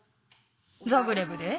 ザグレブで？